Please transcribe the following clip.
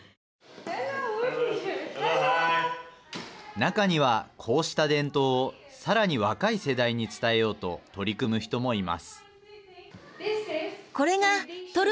中には、こうした伝統をさらに若い世代に伝えようと取り組む人もいます。